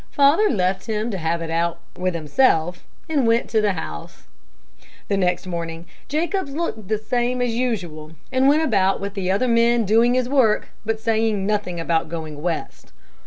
Father left him to have it out with himself, and went to the house. "The next morning, Jacobs looked just the same as usual, and went about with the other men doing his work, but saying nothing about going West.